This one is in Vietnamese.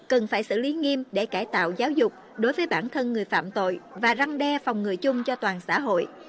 cần phải xử lý nghiêm để cải tạo giáo dục đối với bản thân người phạm tội và răng đe phòng người chung cho toàn xã hội